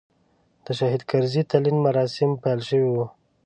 د شهید کرزي تلین مراسیم پیل شوي و.